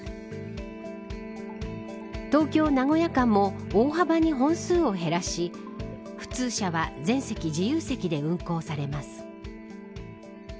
東京、名古屋間も大幅に本数を減らし普通車は全席自由席で運行されます。